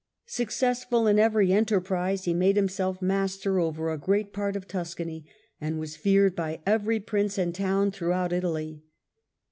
Successful in every enterprise he made himself master over a great part of Tuscany, and was feared by every Prince and town throughout Italy.